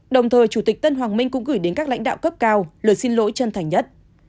đồng thời chủ tịch tân hoàng minh cũng gửi đến các lãnh đạo cấp cao lời xin lỗi chân thành nhất